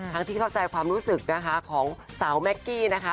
ที่เข้าใจความรู้สึกนะคะของสาวแม็กกี้นะคะ